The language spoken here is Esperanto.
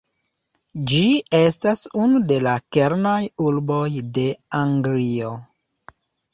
Ĝi estas unu de la kernaj urboj de Anglio.